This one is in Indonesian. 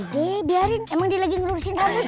oke biarin emang dia lagi ngelurusin kamu teh